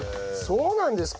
そうなんです。